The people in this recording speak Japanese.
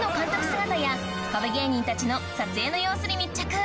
姿や壁芸人たちの撮影の様子に密着